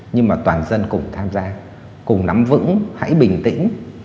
nhưng mà toàn dân cùng tham gia cùng nắm vững hãy bình tĩnh